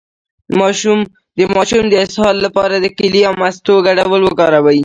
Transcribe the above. د ماشوم د اسهال لپاره د کیلې او مستو ګډول وکاروئ